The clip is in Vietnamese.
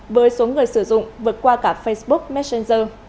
với số người sử dụng vượt qua cả facebook messenger